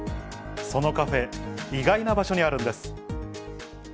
そのカフェ、意外な場所にあるんです。